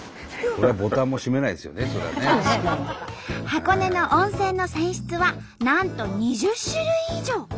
箱根の温泉の泉質はなんと２０種類以上。